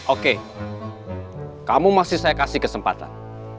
oke kamu masih saya kasih kesempatan